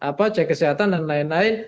di tahapan cek kesehatan dan lain lain